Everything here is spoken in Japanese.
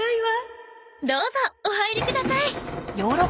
どうぞお入りください！